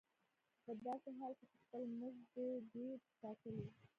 خو په داسې حال کې چې خپل مزد دې دی ټاکلی.